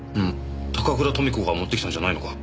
高倉豊美子が持ってきたんじゃないのか？